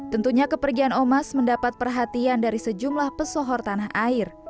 tentunya kepergian omas mendapat perhatian dari sejumlah pesohor tanah air